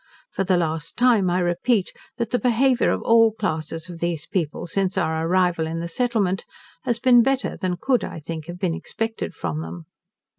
For the last time I repeat, that the behaviour of all classes of these people since our arrival in the settlement has been better than could, I think, have been expected from them.